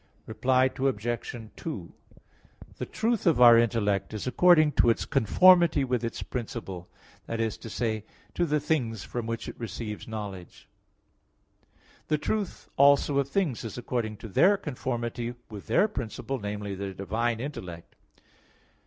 Reply Obj. 2: The truth of our intellect is according to its conformity with its principle, that is to say, to the things from which it receives knowledge. The truth also of things is according to their conformity with their principle, namely, the divine intellect.